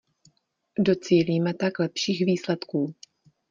Docílíme tak lepších výsledků.